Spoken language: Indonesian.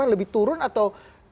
lebih turun atau gimana